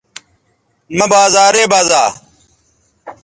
مہ بازارے بزا